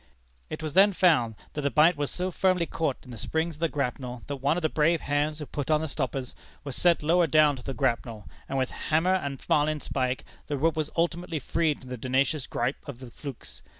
"It was then found, that the bight was so firmly caught in the springs of the grapnel, that one of the brave hands who put on the stoppers, was sent lower down to the grapnel, and with hammer and marlinspike, the rope was ultimately freed from the tenacious gripe of the flukes.